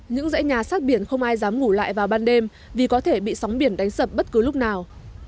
những dãy nhà sát biển không ai dám ngủ lại vào ban đêm vì có thể bị sóng biển đánh sập bất cứ lúc nào